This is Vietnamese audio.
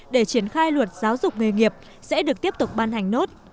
để triển khai luật giáo dục nghề nghiệp sẽ được tiếp tục ban hành nốt